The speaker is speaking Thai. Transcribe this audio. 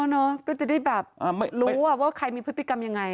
เนาะก็จะได้แบบไม่รู้ว่าใครมีพฤติกรรมยังไง